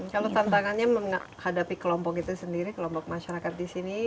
kalau tantangannya menghadapi kelompok itu sendiri kelompok masyarakat di sini